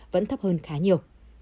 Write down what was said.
vẫn thấp hơn khá nhiều